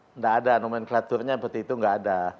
tidak ada nomenklaturnya seperti itu nggak ada